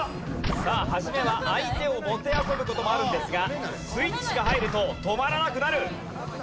さあ初めは相手をもてあそぶ事もあるんですがスイッチが入ると止まらなくなる。